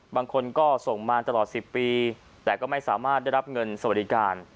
บางคนก็ส่งมาตลอด๑๐ปีแต่ก็ไม่สามารถได้รับเงินสวัสดิการ